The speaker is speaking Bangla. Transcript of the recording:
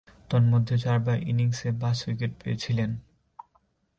তন্মধ্যে, চারবার ইনিংসে পাঁচ-উইকেট পেয়েছিলেন।